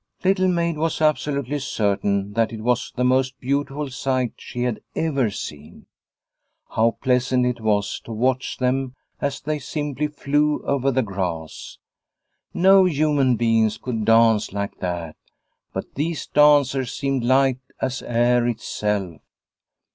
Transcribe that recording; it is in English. Little Maid was absolutely certain that it was the most beautiful sight she had ever seen. How pleasant it was to watch them as they simply flew over the grass. No human beings could dance like that, but these dancers seemed light as air itself.